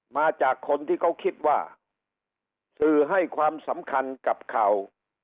มาจากคนที่เขาคิดว่าสื่อให้ความสำคัญกับข่าว